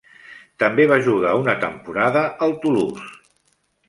També va jugar una temporada al Toulouse.